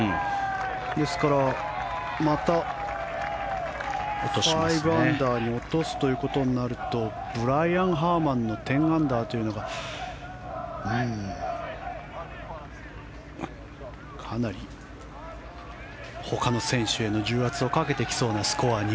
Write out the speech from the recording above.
ですからまた５アンダーに落とすとなるとブライアン・ハーマンの１０アンダーというのがかなりほかの選手への重圧をかけてきそうなスコアに